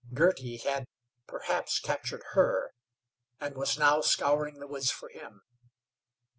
Girty had, perhaps, captured her, and was now scouring the woods for him.